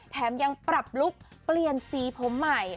แถมยังปรับลุคเปลี่ยนสีผมใหม่